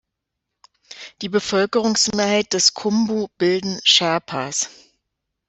Die Bevölkerungsmehrheit des Khumbu bilden Sherpas.